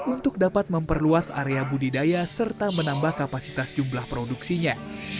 untuk dapat memperluas area budidaya serta menambah kapasitas jumlah produksinya